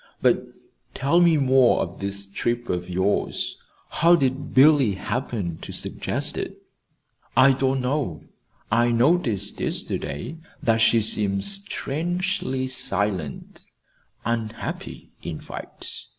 But tell me more of this trip of yours. How did Billy happen to suggest it?" "I don't know. I noticed yesterday that she seemed strangely silent unhappy, in fact.